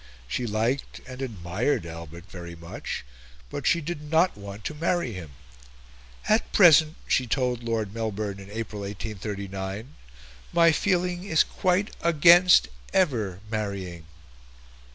She liked and admired Albert very much, but she did not want to marry him. "At present," she told Lord Melbourne in April, 1839, "my feeling is quite against ever marrying."